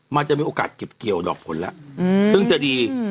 มันจะมีโอกาสเก็บเกี่ยวดอกผลแล้วซึ่งจะดี